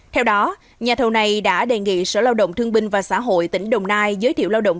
theo đó nhà thầu này đã đề nghị sở lao động thương binh và xã hội tỉnh đồng nai giới thiệu lao động